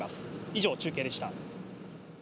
以上、中継でした。